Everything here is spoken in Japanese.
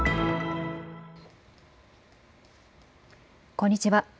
こんにちは。